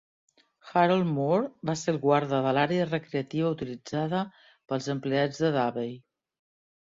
Harold Moore va ser el guarda de l'àrea recreativa utilitzada pels empleats de Davey.